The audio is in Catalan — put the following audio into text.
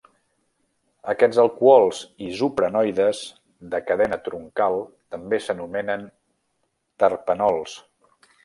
Aquests alcohols isoprenoides de cadena troncal també s'anomenen "terpenols".